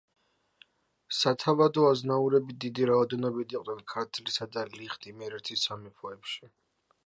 სათავადო აზნაურები დიდი რაოდენობით იყვნენ ქართლისა და ლიხთ-იმერეთის სამეფოებში.